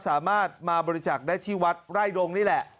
สามารถมาบริจักษ์ได้ที่วัดไร่ดงนี่แหละ